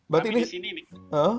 kami di sini nih